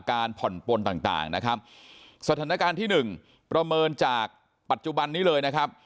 การผ่อนปนต่างต่างนะครับสถานการณ์ที่หนึ่งประเมินจากปัจจุบันนี้เลยนะครับ